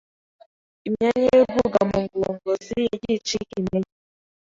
Imyanya y’urwungano ngogozi yagiye icika intege,